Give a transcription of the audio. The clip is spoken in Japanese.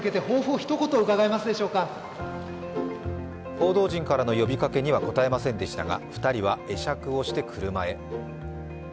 報道陣からの呼びかけには答えませんでしたが、２人は会釈をして車へ。